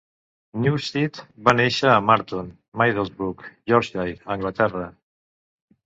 Newstead va néixer a Marton, Middlesbrough, Yorkshire, Anglaterra.